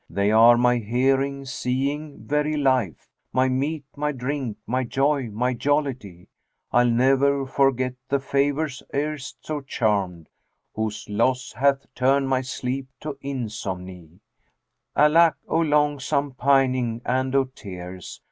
They are my hearing, seeing, very life; * My meat, my drink, my joy, my jollity: I'll ne'er forget the favours erst so charmed * Whose loss hath turned my sleep to insomny: Alack, O longsome pining and O tears!